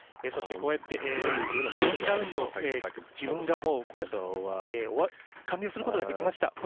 そしてこうやって４ラウンド自分が完了することができました。